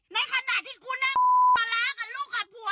ในขณะที่กูน่ามาล้ากับลูกกับผัว